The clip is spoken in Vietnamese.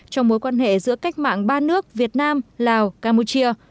trong mối quan hệ giữa cách mạng ba nước việt nam lào campuchia